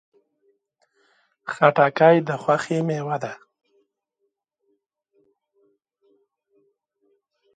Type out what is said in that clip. خټکی د خوښۍ میوه ده.